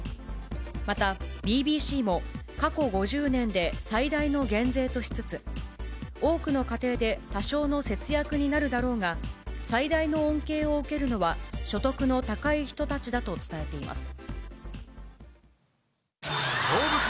またＢＢＣも、過去５０年で最大の減税としつつ、多くの家庭で多少の節約になるだろうが、最大の恩恵を受けるのは、所得の高い人たちだと伝えています。